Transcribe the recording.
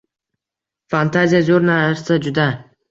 Fantaziya zo‘r narsa juda.